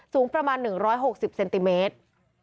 สูงประมาณ๑๖๐เซนติเมตร